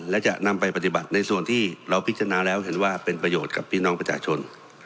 และจะนำไปปฏิบัติในส่วนที่เราพิจารณาแล้วเห็นว่าเป็นประโยชน์กับพี่น้องประชาชน